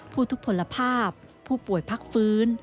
ทุกผลภาพผู้ป่วยพักฟื้น